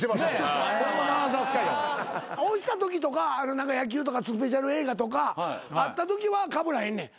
何か野球とかスペシャル映画とかあったときはかぶらへんねん。